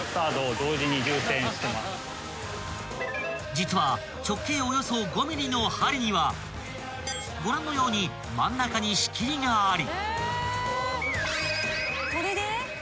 ［実は直径およそ５ｍｍの針にはご覧のように真ん中に仕切りがあり］